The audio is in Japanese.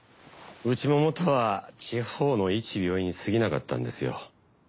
うちも元は地方の一病院に過ぎなかったんですよ。